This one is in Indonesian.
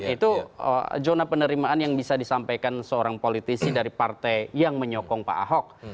itu zona penerimaan yang bisa disampaikan seorang politisi dari partai yang menyokong pak ahok